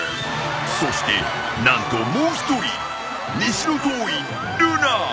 そしてなんともう一人西洞院ルナ！